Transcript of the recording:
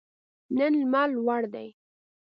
نن لمر لوړ دی